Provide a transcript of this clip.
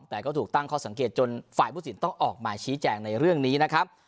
แต่ก็ถูกตั้งข้อสังเกตจนฝ่ายผู้สินต้องออกมาชี้แจงในเรื่องนี้นะครับ